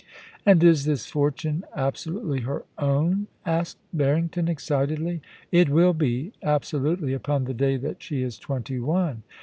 * And is this fortune absolutely her own ?* asked Barring ton, excitedly. * It will be, absolutely, upon the day that she is twenty one.